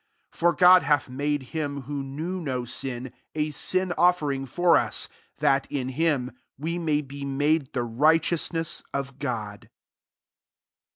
21 [For] God hath made him, who knew no sin, a sm Ojffering for us, that, in him, we may be made the righ teousness of God.